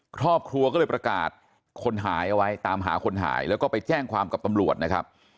ครอบครัวก็เลยประกาศคนหายเอาไว้ตามหาคนหายแล้วก็ไปแจ้งความกับตำรวจนะครับ